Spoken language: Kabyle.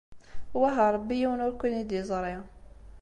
Wah a Ṛebbi yiwen ur ken-id-yeẓṛi.